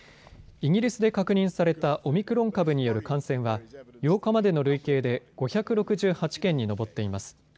イギリスで確認されたオミクロン株による感染は８日までの累計で５６８件に上っています。